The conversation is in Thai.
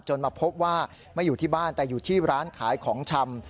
มาพบว่าไม่อยู่ที่บ้านแต่อยู่ที่ร้านขายของชำ